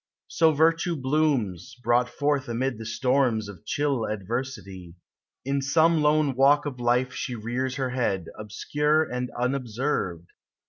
So virtue blooms, broughl forth amid the Btormi Of chill adversity; in sonic lone walk Of life she rears her head, Obscure and unobserved ; 246 POEMS OF NATURE.